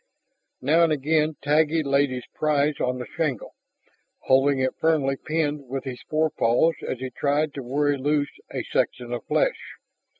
Now and again Taggi laid his prize on the shingle, holding it firmly pinned with his forepaws as he tried to worry loose a section of flesh.